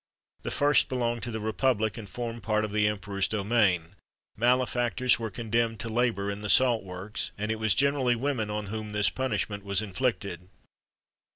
The first belonged to the republic, and formed part of the emperor's domain; malefactors were condemned to labour in the salt works, and it was generally women on whom this punishment was inflicted.